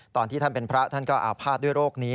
ตอนที่ท่านเป็นพระท่านก็อาภาษณ์ด้วยโรคนี้